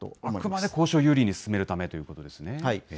あくまで交渉を有利に進めるためということですね。